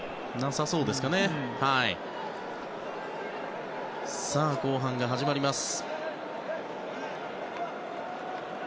さあ、後半が始まります。